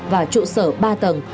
và trụ sở ba tầng